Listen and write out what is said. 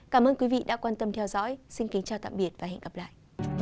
cảm ơn các bạn đã theo dõi và hẹn gặp lại